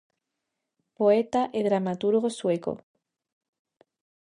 Poeta e dramaturgo sueco.